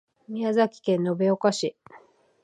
宮崎県延岡市